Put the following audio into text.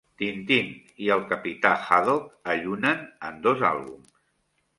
Tintin i el capità Haddock allunen en dos àlbums.